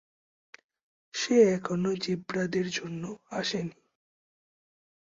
সে এখনো জেব্রাদের জন্য আসেনি.